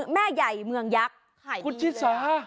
แม่ใหญ่เมืองยักษ์